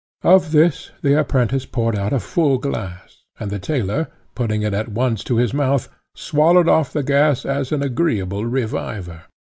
Of this the apprentice poured out a full glass, and the tailor, putting it at once to his mouth, swallowed off the gas as an agreeable reviver.